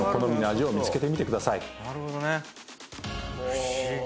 不思議！